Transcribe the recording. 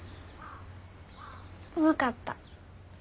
分かった。